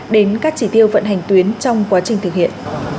đến các chỉ tiêu vận hành tuyến trong quá trình thực hiện